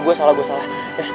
gue salah gue salah